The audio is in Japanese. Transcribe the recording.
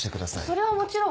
それはもちろん。